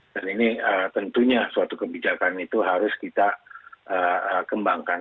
dan ini tentunya suatu kebijakan itu harus kita kembangkan